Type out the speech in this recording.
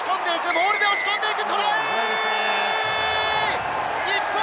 モールで押し込んでいく！